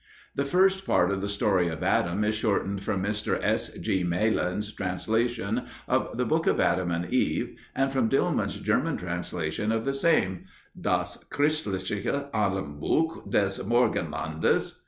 The first part of the story of Adam is shortened from Mr. S. G. Malan's translation of The Book of Adam and Eve, and from Dillmann's German translation of the same (Das christliche Adambuch des Morgenlandes).